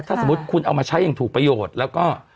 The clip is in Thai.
ถ้าสมมุติคุณเอามาใช้อย่างถูกประโยชน์แล้วก็